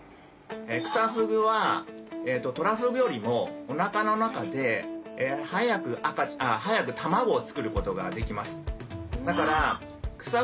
クサフグはトラフグよりもおなかの中で早く卵をつくることができます。